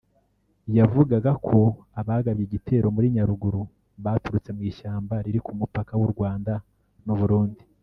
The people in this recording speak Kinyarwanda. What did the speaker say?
yavugaga ko abagabye igitero muri Nyaruguru baturutse mu ishyamba riri ku mupaka w’u Rwanda n’u Burundi